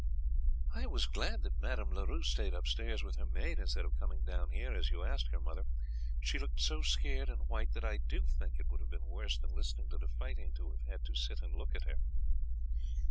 "I was glad that Madame Leroux stayed upstairs with her maid instead of coming down here as you asked her, mother; she looked so scared and white that I do think it would have been worse than listening to the fighting to have had to sit and look at her."